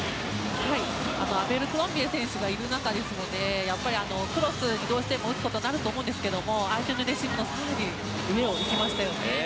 アベルクロンビエ選手がいる中ですのでやっぱりクロスにどうしても打つことになると思うんですけど相手のレシーブの更に上を行きましたね。